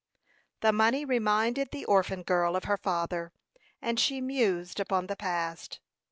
The money reminded the orphan girl of her father, and she mused upon the past.